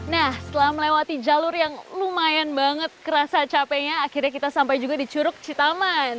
nah setelah melewati jalur yang lumayan banget kerasa capeknya akhirnya kita sampai juga di curug citaman